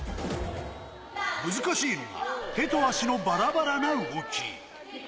難しいのが手と足のバラバラな動き。